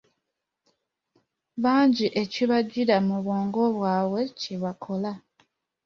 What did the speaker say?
Bangi ekibajjira mu bwongo bwabwe kyebakola.